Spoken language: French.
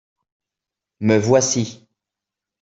me voici.